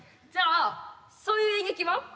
そういう演劇？